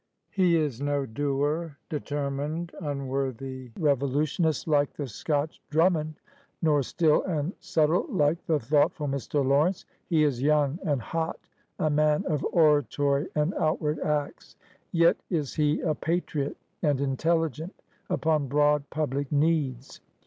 He is no dour, determined, unwordy revolutionist like the Scotch Drummond, nor still and subtle like "the thoughtful Mr. Lawrence. He is young and hot, a man of oratory and outward acts. Yet is he a patriot and intelligent upon broad public needs.